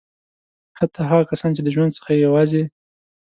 حتی هغه کسان چې د ژوند څخه یې یوازې.